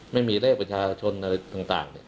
ไม่มีเลขประชาชนอะไรต่าง